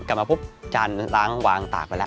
กลับมาปุ๊บจานล้างวางตากไปแล้ว